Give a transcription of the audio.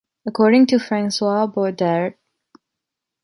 According to François Boddaert,